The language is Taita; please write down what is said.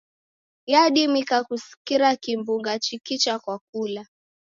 Yadimika kusikira kimbunga chikicha kwa kula.